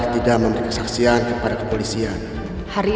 silakan duduk kembali